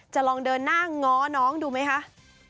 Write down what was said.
จะลองเดินหน้าง้อน้องดูไหมคะ